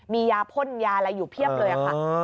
มียาพ่นยาอะไรอยู่เพียบเลยค่ะ